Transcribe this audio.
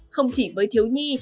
không chỉ với thiếu nhi